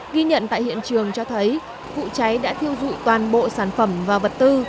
ghi nhận tại hiện trường cho thấy vụ cháy đã thiêu dụi toàn bộ sản phẩm và vật tư